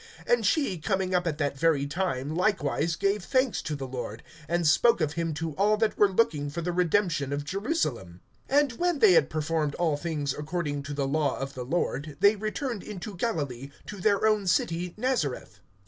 (38)And she, coming up at that very time, likewise gave thanks to the Lord, and spoke of him to all that were looking for the redemption of Jerusalem. (39)And when they had performed all things according to the law of the Lord, they returned into Galilee, to their own city Nazareth.